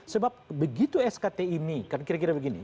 sebab begitu skt ini kan kira kira begini